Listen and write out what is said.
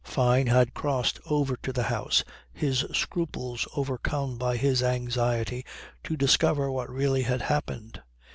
Fyne had crossed over to the house, his scruples overcome by his anxiety to discover what really had happened.